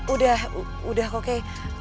udah udah kok kei